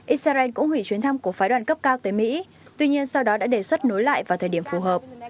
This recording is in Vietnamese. israel cũng hủy chuyến thăm của phái đoàn cấp cao tới mỹ tuy nhiên sau đó đã đề xuất nối lại vào thời điểm phù hợp